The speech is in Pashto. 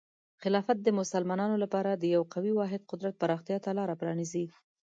خلافت د مسلمانانو لپاره د یو قوي واحد قدرت پراختیا ته لاره پرانیزي.